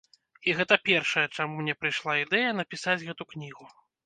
І гэта першае, чаму мне прыйшла ідэя напісаць гэту кнігу.